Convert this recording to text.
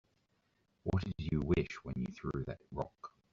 What'd you wish when you threw that rock?